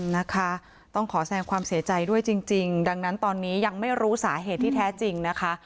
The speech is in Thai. นะคะต้องขอแสงความเสียใจด้วยจริงดังนั้นตอนนี้ยังไม่รู้สาเหตุที่แท้จริงนะคะ